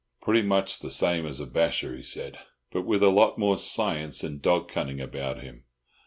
"Pretty much the same as a basher," he said, "but with a lot more science and dog cunning about him.